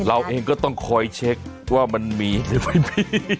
เราเองก็ต้องคอยเช็คว่ามันมีหรือไม่มี